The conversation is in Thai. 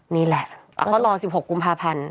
นี่แหละเขารอ๑๖กุมภาพันธ์